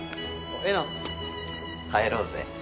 えな帰ろうぜ。